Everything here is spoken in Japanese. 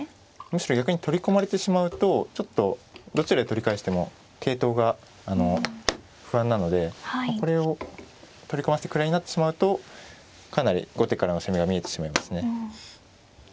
むしろ逆に取り込まれてしまうとちょっとどちらで取り返しても桂頭が不安なのでこれを取り込ませて位になってしまうとかなり後手からの攻めが見えてしまいますね。